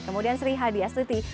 kemudian sri hadi astuti